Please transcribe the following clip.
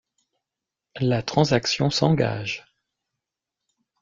La transaction s'engage...